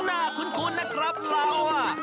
หน้าคุ้นนะครับเรา